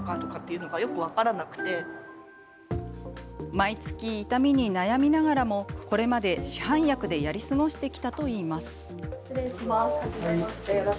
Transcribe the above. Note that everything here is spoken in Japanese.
毎月、痛みに悩みながらもこれまで市販薬でやり過ごしてきたといいます。